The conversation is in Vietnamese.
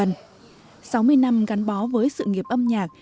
sáu mươi năm gắn bó với sự nghiệp hà nội